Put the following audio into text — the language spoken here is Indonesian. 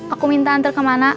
aku minta nantar kemana